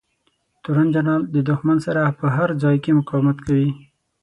تورن جنرال د دښمن سره په هر ځای کې مقاومت کوي.